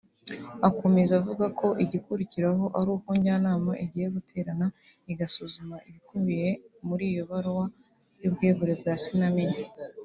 Akomeza avuga ko igikurikiraho ari uko njyanama igiye guterana igasuzuma ibikubiye muri iyo baruwa y’ubwegure bwa Sinamenye